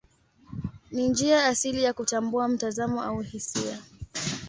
Ni njia asili ya kutambua mtazamo au hisia.